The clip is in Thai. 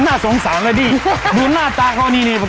ทางนี้เลยครับทางนี้เลยครับ